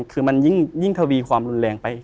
คือมันยิ่งทวีความรุนแรงไป